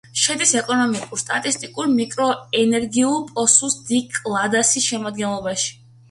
შედის ეკონომიკურ-სტატისტიკურ მიკრორეგიონ პოსუს-დი-კალდასის შემადგენლობაში.